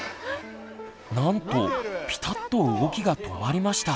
なんとピタッと動きが止まりました。